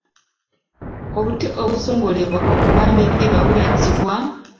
Obuti obusongolebwa okubamba eddiba buyitibwa?